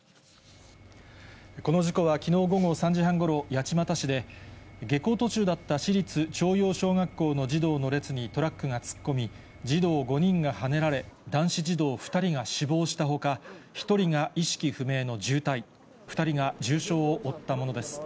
この事故はきのう午後３時半ごろ、八街市で、下校途中だった市立朝陽小学校の児童の列にトラックが突っ込み、児童５人がはねられ、男子児童２人が死亡したほか、１人が意識不明の重体、２人が重傷を負ったものです。